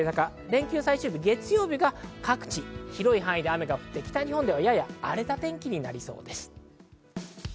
連休最終日の月曜日は各地広い範囲で雨で、北日本では荒れた天気になりそうです。